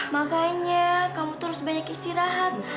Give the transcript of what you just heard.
makanya kamu tuh harus banyak istirahat